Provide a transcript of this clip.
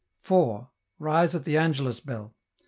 4. Rise at the Angelus bell.